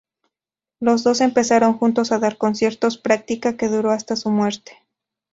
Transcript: Los dos empezaron juntos a dar conciertos, práctica que duró hasta su muerte.